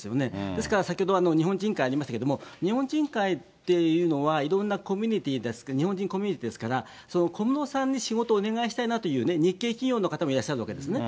ですから、先ほど日本人会ありましたけれども、日本人会っていうのは、いろんなコミュニティ、日本人コミュニティですから、小室さんに仕事をお願いしたいなという日系企業の方もいらっしゃるわけですね。